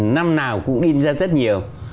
năm nào cũng in ra rất nhiều